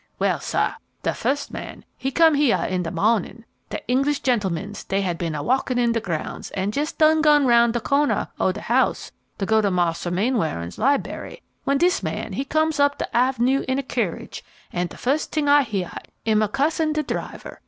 Well, sah, de fust man, he come heah in de mawnin'. De Inglish gentlemens, dey had been a walkin' in de grounds and jes' done gone roun' de corner oh de house to go to mars'r Mainwaring's liberry, when dis man he comes up de av'nue in a kerridge, an' de fust ting I heah 'im a cussin' de driver.